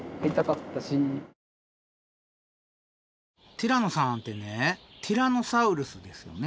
ティラノさんってねティラノサウルスですよね。